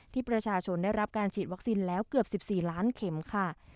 ที่ประชาชนได้รับการฉีดวัคซีนแล้วเกือบ๑๔ล้านเข็มค่ะ